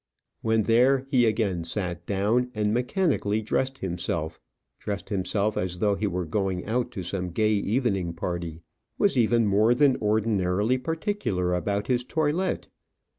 When there, he again sat down, and mechanically dressed himself dressed himself as though he were going out to some gay evening party was even more than ordinarily particular about his toilet.